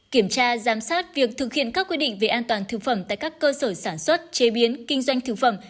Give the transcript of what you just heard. kiểm tra giám sát việc thực hiện các quy định về an toàn thực phẩm tại các cơ sở sản xuất chế biến kinh doanh thực phẩm